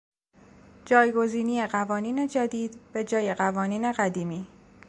جایگزینی قوانین جدید به جای قوانین قدیمی